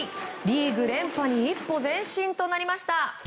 リーグ連覇に一歩前進となりました。